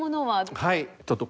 はい。